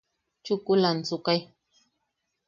Chukula ansukai.